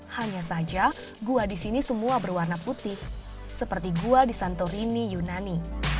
hanya saja gua di sini semua berwarna putih seperti gua di santorini yunani